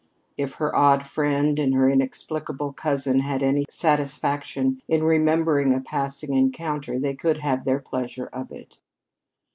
If her odd friend and her inexplicable cousin had any satisfaction in remembering a passing encounter, they could have their pleasure of it.